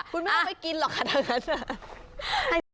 คุณไม่ต้องไปกินหรอกค่ะทั้งนั้น